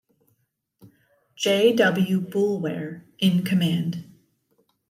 J. W. Boulware in command.